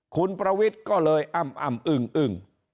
คุณประวิทย์ก็เลยอ้ำอึ้งอึ้ง